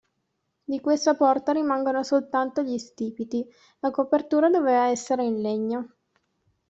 Di questa porta rimangono soltanto gli stipiti, la copertura doveva essere in legno.